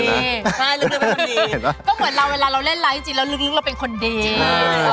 ก็เหมือนเราเวลาเราเล่นไลก์จริงเราดึกเราเป็นคนเด่น